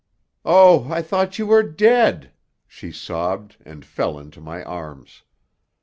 "Oh, I thought you were dead!" she sobbed and fell into my arms.